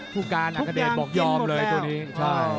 ทุกการอากาเดชบอกยอมเลยตัวนี้